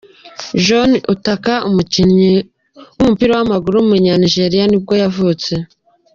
John Utaka, umukinnyi w’umupira w’amaguru w’umunyanigeriya nibwo yavutse.